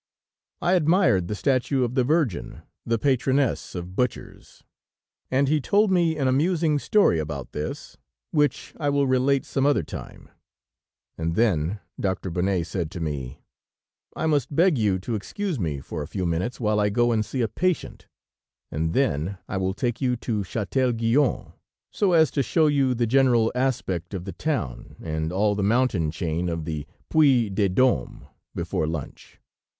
I admired the statue of the Virgin, the patroness of butchers, and he told me an amusing story about this, which I will relate some other time, and then Doctor Bonnet said to me: "I must beg you to excuse me for a few minutes while I go and see a patient, and then I will take you to Chatel Guyon, so as to show you the general aspect of the town, and all the mountain chain of the Puy de Dôme, before lunch.